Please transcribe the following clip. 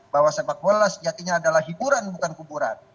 bahwa sepak bola sejatinya adalah hiburan bukan kuburan